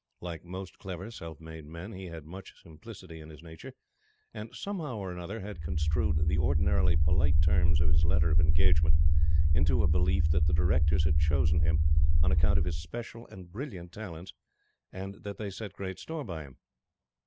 Like most clever self made men, he had much simplicity in his nature; and, somehow or other, had construed the ordinarily polite terms of his letter of engagement into a belief that the Directors had chosen him on account of his special and brilliant talents, and that they set great store by him.